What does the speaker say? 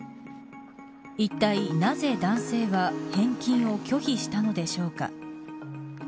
いったい、なぜ男性は返金を拒否したのでしょうか。